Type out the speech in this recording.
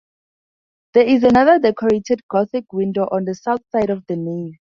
There is another Decorated Gothic window on the south side of the nave.